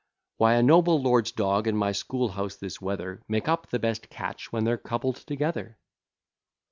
Why a noble lord's dog, and my school house this weather, Make up the best catch when they're coupled together?